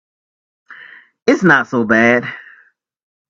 It's not so bad.